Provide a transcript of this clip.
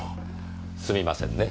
すみませんね。